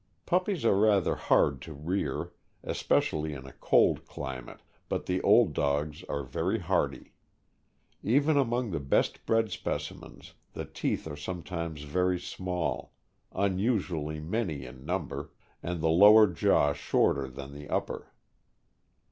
Puppies are rather hard to rear, especially in a cold climate, but the old dogs are very hardy. Even among the best bred specimens, the teeth are sometimes very small, unusually many in number, and the lower jaw shorter than the upper.